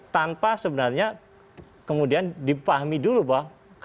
tanpa sebenarnya kemudian dipahami dulu bahwa